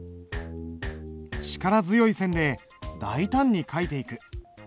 力強い線で大胆に書いていく。